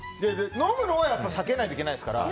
飲むのは避けないといけないですから。